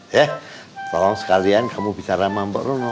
ya tolong sekalian kamu bicara sama mbak rono